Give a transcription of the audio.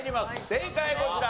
正解こちら！